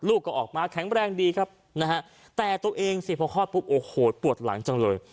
ก็ออกมาแข็งแรงดีครับนะฮะแต่ตัวเองสิพอคลอดปุ๊บโอ้โหปวดหลังจังเลย